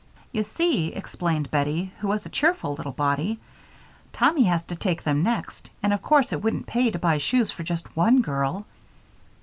"You see," explained Bettie, who was a cheerful little body, "Tommy has to take them next, and of course it wouldn't pay to buy shoes for just one girl."